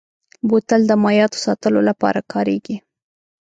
بوتل د مایعاتو ساتلو لپاره کارېږي.